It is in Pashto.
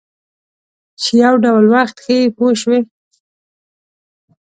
چې یو ډول وخت ښیي پوه شوې!.